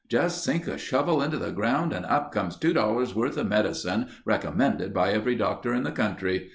"Just sink a shovel into the ground and up comes two dollars' worth of medicine recommended by every doctor in the country.